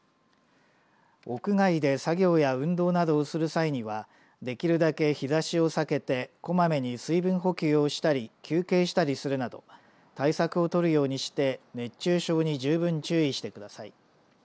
屋外で作業や運動などをする際にはできるだけ日ざしを避けてこまめに水分補給をしたり休憩したりするなど対策を取るようにして熱中症に十分注意してください。